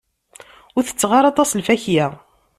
Ur tetteɣ ara aṭas lfakya.